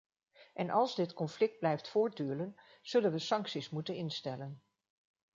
En als dit conflict blijft voortduren, zullen we sancties moeten instellen.